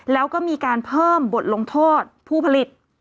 แล้วก็มีการเพิ่มบทลงโทษผู้ผลิต